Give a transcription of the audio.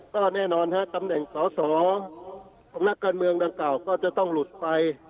ก็แน่นอนฮะตำแหน่งสอสอของนักการเมืองดังกล่าก็จะต้องหลุดไป